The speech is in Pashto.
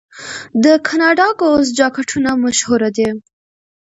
د کاناډا ګوز جاکټونه مشهور دي.